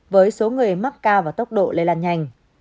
với số người mắc cao và tốc độ lây lan nhanh